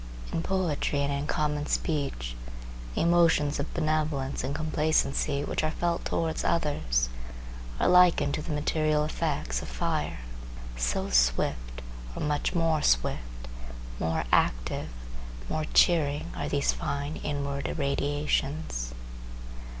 In poetry and in common speech, the emotions of benevolence and complacency which are felt towards others are likened to the material effects of fire; so swift, or much more swift, more active, more cheering, are these fine inward irradiations.